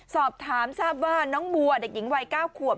สอบถามทราบว่าน้องบัวเด็กหญิงวัย๙ขวบ